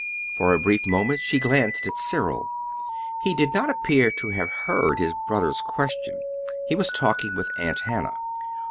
For a brief moment she glanced at Cyril. He did not appear to have heard his brother's question. He was talking with Aunt Hannah.